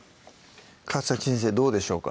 川先生どうでしょうか？